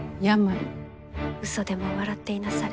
嘘でも笑っていなされ。